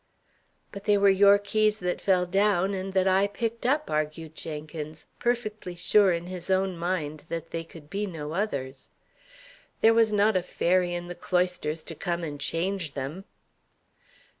"But they were your keys that fell down and that I picked up," argued Jenkins, perfectly sure in his own mind that they could be no others. "There was not a fairy in the cloisters to come and change them."